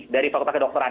dari fakultas kedokteran